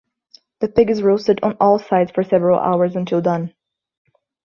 The pig is roasted on all sides for several hours until done.